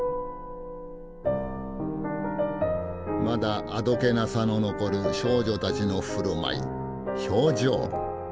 まだあどけなさの残る少女たちの振る舞い表情。